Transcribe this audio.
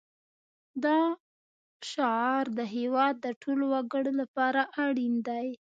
دا شعار د هېواد د ټولو وګړو لپاره اړین دی